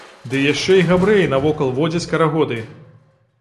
Ды яшчэ і габрэі навокал водзяць карагоды!